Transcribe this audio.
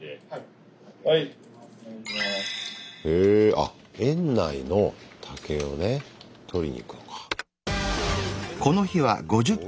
あ園内の竹をね取りに行くのか。